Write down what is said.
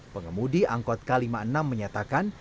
pengemudi angkot k lima puluh enam menyatakan